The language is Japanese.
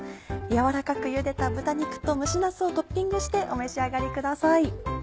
軟らかくゆでた豚肉と蒸しなすをトッピングしてお召し上がりください。